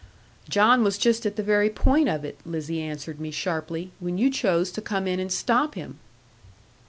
'John was just at the very point of it,' Lizzie answered me sharply, 'when you chose to come in and stop him.'